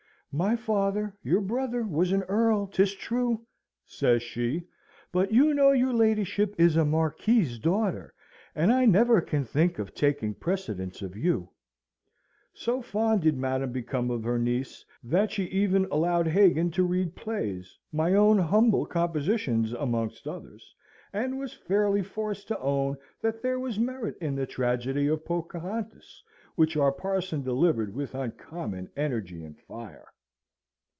"My father, your brother, was an earl, 'tis true," says she, "but you know your ladyship is a marquis's daughter, and I never can think of taking precedence of you!" So fond did Madam become of her niece, that she even allowed Hagan to read plays my own humble compositions amongst others and was fairly forced to own that there was merit in the tragedy of Pocahontas, which our parson delivered with uncommon energy and fire.